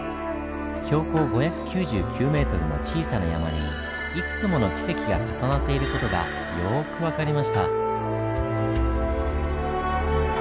標高５９９ｍの小さな山にいくつもの奇跡が重なっている事がよく分かりました。